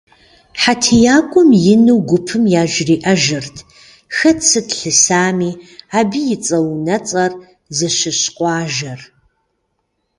ХьэтиякӀуэм ину гупым яжриӀэжырт хэт сыт лъысами, абы и цӀэ-унуэцӀэр, зыщыщ къуажэр.